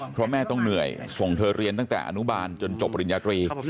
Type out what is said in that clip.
เพราะแม่ต้องเหนื่อยส่งเธอเรียนตั้งแต่อนุบาลจนจบปริญญาตรี